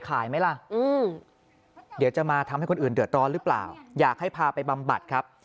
เกิดเดือดร้อนหรือเปล่าอยากให้พาไปบำบัดครับ